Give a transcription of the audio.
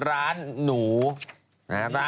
สนับสนุนโดยดีที่สุดคือการให้ไม่สิ้นสุด